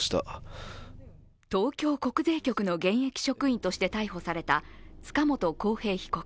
東京国税局の現役職員として逮捕された塚本晃平被告。